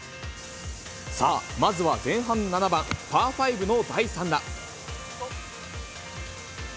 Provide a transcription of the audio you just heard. さあ、まずは前半７番、パー５の第３打。